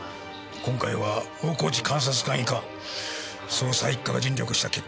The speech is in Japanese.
今回は大河内監察官以下捜査一課が尽力した結果だろ。